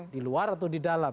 di luar atau di dalam